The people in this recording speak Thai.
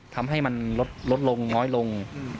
ทำให้มันลดลงน้อยลง